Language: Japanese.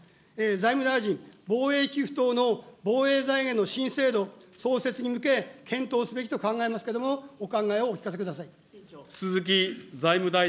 財務大臣、防衛寄付等の防衛財源の新制度創設に向け、検討すべきと考えますけども、お考えをお聞かせください。